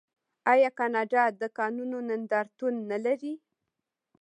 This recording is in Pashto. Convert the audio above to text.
آیا کاناډا د کانونو نندارتون نلري؟